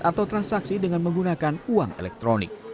atau transaksi dengan menggunakan uang elektronik